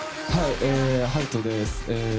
ハルトです。